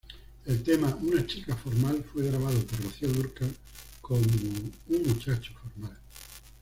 El tema "Una chica formal" fue grabado por Rocío Dúrcal como "Un muchacho formal".